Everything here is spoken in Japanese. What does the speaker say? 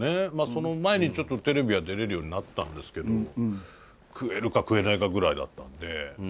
その前にちょっとテレビは出れるようになったんですけど食えるか食えないかぐらいだったんで。